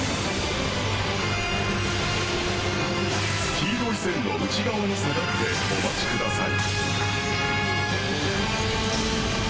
黄色い線の内側に下がってお待ちください。